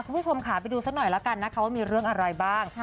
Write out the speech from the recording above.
คุณผู้ชมค่ะไปดูสักหน่อยแล้วกันนะคะว่ามีเรื่องอะไรบ้าง